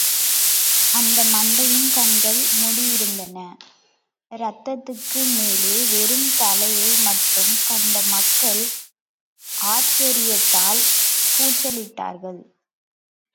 அந்த மண்டையின் கண்கள் முடியிருந்தன, இரத்தத்துக்கு மேலே வெறும் தலையை மட்டும் கண்ட மக்கள் ஆச்சரியத்தால் கூச்சலிட்டார்கள்.